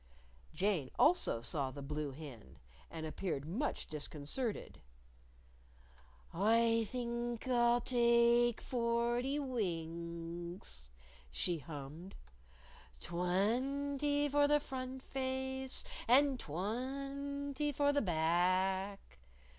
Jane also saw the blue hen. And appeared much disconcerted. "I think I'll take forty winks," she hummed; " twenty for the front face, and twenty for the back."